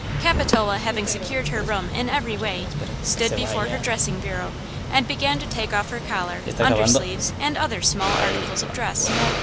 Capitola, having secured her room in every way, stood before her dressing bureau and began to take off her collar, under sleeves and other small articles of dress.